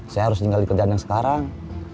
saya harus tinggal di kerajaan yang sekarang